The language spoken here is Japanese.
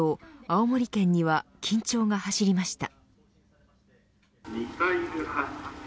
青森県には緊張が走りました。